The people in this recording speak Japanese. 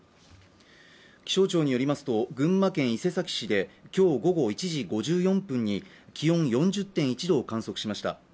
気象庁によりますと、群馬県伊勢崎市で今日午後１時５４分に気温４０．１度を観測しました。